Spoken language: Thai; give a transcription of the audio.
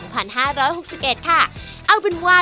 ประกาศรายชื่อพศ๒๕๖๑